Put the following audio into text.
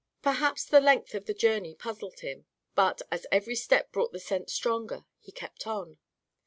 Perhaps the length of the journey puzzled him, but, as every step brought the scent stronger, he kept on.